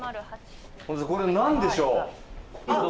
これ何でしょう？